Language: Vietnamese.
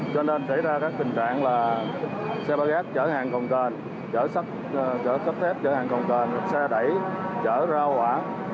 cho nên xảy ra các tình trạng là xe ba gác chở hàng công canh chở sắt chở cấp thép chở hàng công canh xe đẩy chở rau quả